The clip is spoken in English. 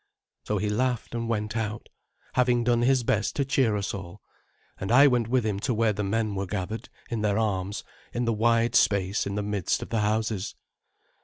So he laughed and went out, having done his best to cheer us all, and I went with him to where the men were gathered in their arms in the wide space in the midst of the houses.